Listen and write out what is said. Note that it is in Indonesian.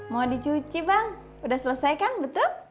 mau dicuci bang udah selesai kan betul